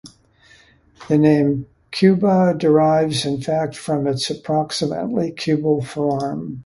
The name "Cuba" derives in fact from its approximately cubical form.